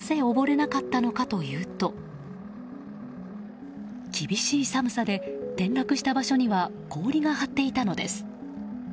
なぜ溺れなかったのかというと厳しい寒さで転落した場所には氷が張っていたのです。